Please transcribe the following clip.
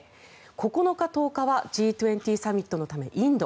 ９日、１０日はＧ２０サミットのためインド。